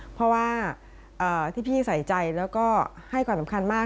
เพราะว่าที่พี่ใส่ใจแล้วก็ให้ความสำคัญมาก